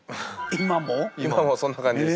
今もそんな感じです。